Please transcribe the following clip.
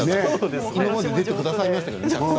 これまで出てくださいましたけどね。